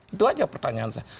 itu aja pertanyaan saya